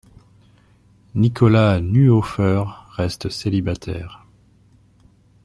Nicolas Nuoffer reste célibataire.